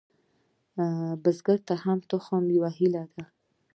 بزګر ته هره تخم یوه هیلې ده